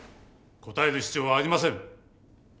答える必要はありません。